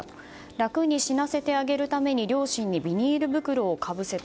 楽に死なせてあげるため両親にビニール袋をかぶせた